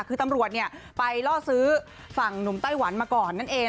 คือตำรวจไปล่อซื้อฝั่งหนุ่มไต้หวันมาก่อนนั่นเอง